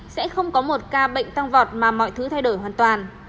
sẽ không có một ca bệnh tăng vọt mà mọi thứ thay đổi hoàn toàn